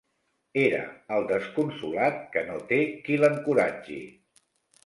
Era el desconsolat que no té qui l'encoratgi